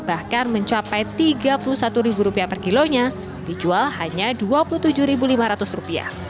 bahkan mencapai rp tiga puluh satu per kilonya dijual hanya rp dua puluh tujuh lima ratus